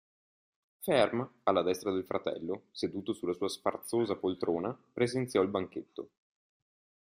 Ferm, alla destra del fratello, seduto sulla sua sfarzosa poltrona, presenziò il banchetto.